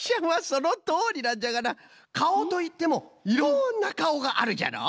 そのとおりなんじゃがなかおといってもいろんなかおがあるじゃろ。